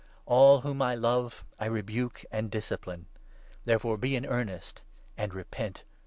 ' All whom 19 I love I rebuke and discipline.' Therefore be in earnest and repent.